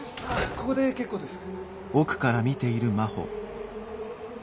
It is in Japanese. ここで結構です。